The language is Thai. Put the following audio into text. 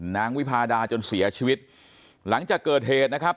วิพาดาจนเสียชีวิตหลังจากเกิดเหตุนะครับ